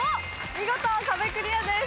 見事壁クリアです。